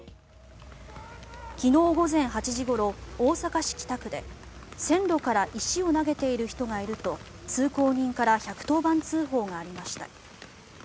昨日午前８時ごろ大阪市北区で線路から石を投げている人がいると通行人から１１０番通報がありました。